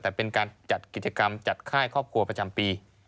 แต่เป็นการจัดกิจกรรมจัดค่ายครอบครัวประจำปี